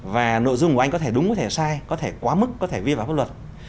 và nội dung của anh có thể đúng có thể sai có thể quá mức có thể vi phạm pháp luật